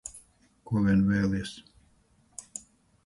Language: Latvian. Ko vien vēlies.